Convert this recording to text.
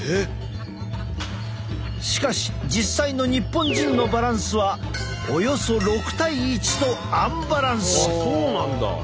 しかし実際の日本人のバランスはおよそ６対１とアンバランス。